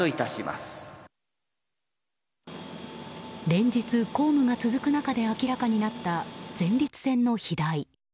連日、公務が続く中で明らかになった前立腺の肥大。